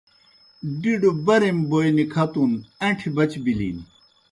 ڈِڈوْ بَرِم بوئے نِکَھتُن، اݩٹھیْ بچ بِلِن۔